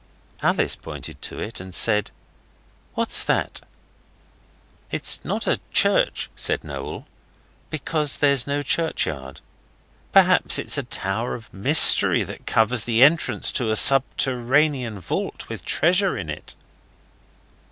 Alice pointed to it, and said 'What's that?' 'It's not a church,' said Noel, 'because there's no churchyard. Perhaps it's a tower of mystery that covers the entrance to a subterranean vault with treasure in it.